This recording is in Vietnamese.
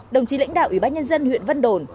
đồng chí lãnh đạo ủy ban nhân dân huyện vân đồn